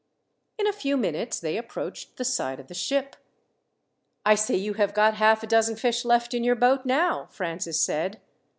In a few minutes they approached the side of the ship. "I see you have got half a dozen fish left in your boat now," Francis said.